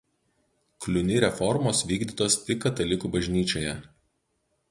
Kliuni reformos vykdytos tik Katalikų Bažnyčioje.